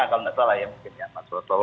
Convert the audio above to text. kalau nggak salah ya mungkin ya mbak sowo